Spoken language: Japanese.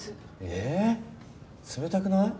ええ冷たくない？